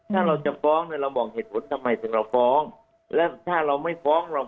ถ้าเราจะฟ้องเนี่ยเราบอกเหตุผลทำไมถึงเราฟ้อง